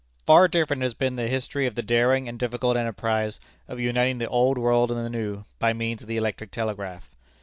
Far different has been the history of the daring and difficult enterprise of uniting the Old World and the New by means of the electric telegraph.